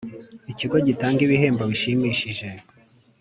Ikigo gitanga ibihembo bishimishije